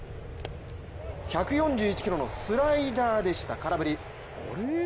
１４１キロのスライダーでした空振り。